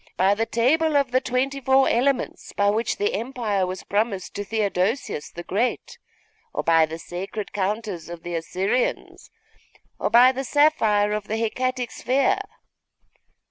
By the table of the twenty four elements, by which the Empire was promised to Theodosius the Great, or by the sacred counters of the Assyrians, or by the sapphire of the Hecatic sphere?